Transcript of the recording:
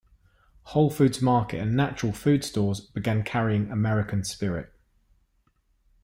Whole Foods Market and natural food stores began carrying American Spirit.